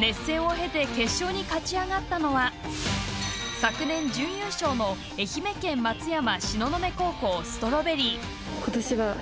熱戦を経て決勝に勝ち上がったのは昨年準優勝の愛媛県松山東雲高校「Ｓｔｒａｗｂｅｒｒｙ」。